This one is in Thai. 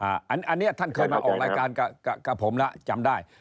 อันนี้ท่านเคยมาออกรายการกับผมแล้วจำได้